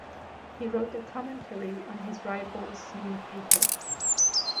He wrote a commentary on his rival's new paper.